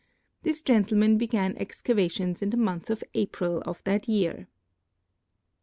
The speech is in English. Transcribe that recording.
This gentleman began excavations in the month of April of that year.